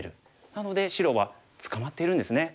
なので白は捕まっているんですね。